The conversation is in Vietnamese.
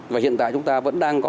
và hiện tại chúng ta vẫn đang có